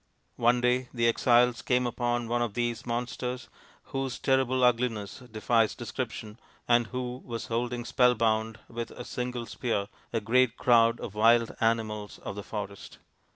One day the exiles came upon one of these monsters, whose terrible ugliness defies description, and who was holding spellbound with a single spear a great crowd of wild animals of the forest.